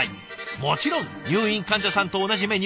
もちろん入院患者さんと同じメニューで元気バッチリ！」